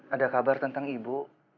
ada kabar tentang ibu